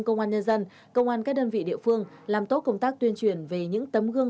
công an nhân dân công an các đơn vị địa phương làm tốt công tác tuyên truyền về những tấm gương